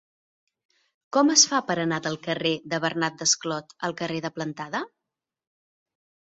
Com es fa per anar del carrer de Bernat Desclot al carrer de Plantada?